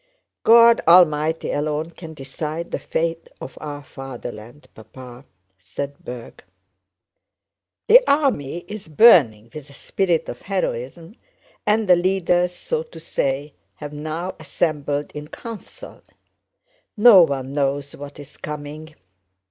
"God Almighty alone can decide the fate of our fatherland, Papa," said Berg. "The army is burning with a spirit of heroism and the leaders, so to say, have now assembled in council. No one knows what is coming.